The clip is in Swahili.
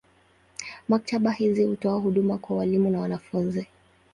Maktaba hizi hutoa huduma kwa walimu na wanafunzi.